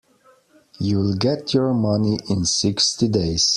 You'll get your money in sixty days.